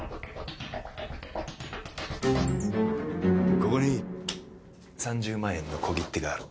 ここに３０万円の小切手がある。